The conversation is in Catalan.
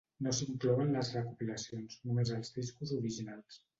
No s'inclouen les recopilacions, només els discos originals.